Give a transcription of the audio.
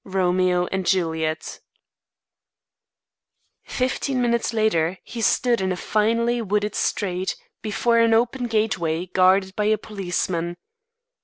Romeo and Juliet. Fifteen minutes later, he stood in a finely wooded street before an open gateway guarded by a policeman.